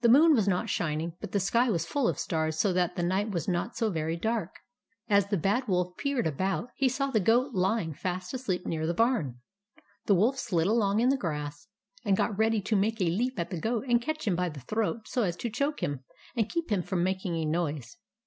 The moon was not shining ; but the sky was full of stars so that the night was not so very dark. As the Bad Wolf peered about, he saw the Goat lying fast asleep near the barn. The Wolf slid along in the grass, and got ready to make a leap at the Goat and catch him by the throat so as to choke him and keep him from making a noise.